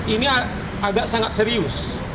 ini agak sangat serius